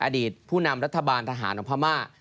อดีตผู้นำรัฐบาลทหารของพม่า